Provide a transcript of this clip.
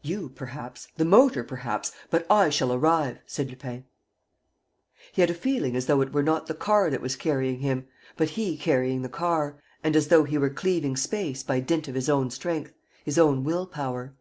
"You, perhaps, the motor, perhaps; but I shall arrive!" said Lupin. He had a feeling as though it were not the car that was carrying him, but he carrying the car and as though he were cleaving space by dint of his own strength, his own will power.